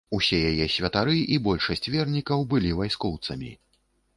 Усё яе святары і большасць вернікаў былі вайскоўцамі.